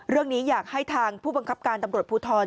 เรื่องนี้อยากให้ทางผู้บังคับการตำรวจภูทร